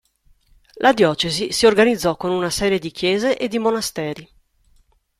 La diocesi si organizzò con una serie di chiese e di monasteri.